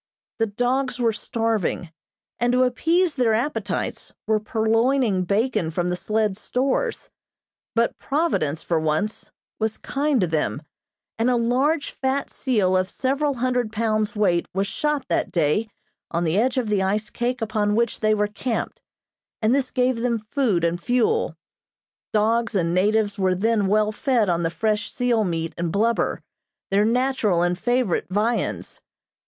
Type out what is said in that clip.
The dogs were starving, and, to appease their appetites, were purloining bacon from the sled's stores; but Providence, for once, was kind to them, and a large, fat seal of several hundred pounds weight was shot that day on the edge of the ice cake upon which they were camped, and this gave them food and fuel. Dogs and natives were then well fed on the fresh seal meat and blubber, their natural and favorite viands.